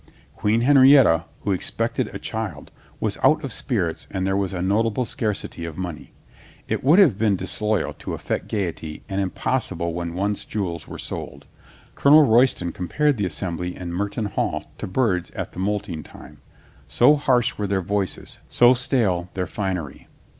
Queen Henrietta, who expected a child, was out of spirits and there was a notable scarcity of money. It would have been disloyal to affect gaiety and impossible when one's jewels were sold. Colonel Royston compared the assembly in Merton hall to birds at the moulting time. So harsh were their voices, so stale their finery.